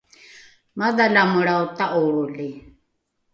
madhalamelrao ta’olroli